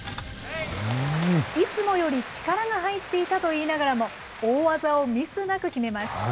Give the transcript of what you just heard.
いつもより力が入っていたと言いながらも、大技をミスなく決めます。